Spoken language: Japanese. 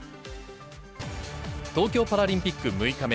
東京パラリンピック６日目。